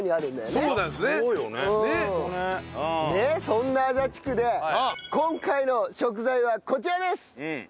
そんな足立区で今回の食材はこちらです！